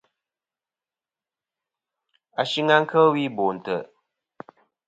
Ashɨng a kel wi Bo ntè.